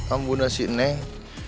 ambuna si neng